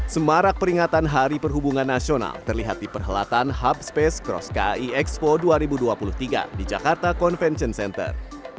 semarak peringatan hari perhubungan nasional terlihat di perhelatan hub space cross kai expo dua ribu dua puluh tiga di jakarta convention center